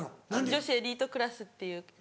女子エリートクラスっていう一番。